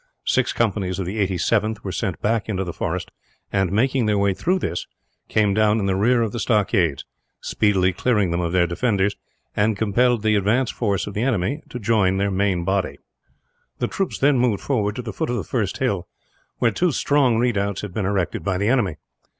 Six companies of the 87th were sent back into the forest and, making their way through this, came down in the rear of the stockades, speedily cleared them of their defenders, and compelled the advance force of the enemy to join their main body. The troops then moved forward to the foot of the first hill, where two strong redoubts had been erected by the enemy.